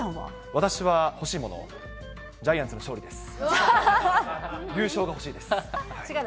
私は欲しいもの、ジャイアンツの勝利です。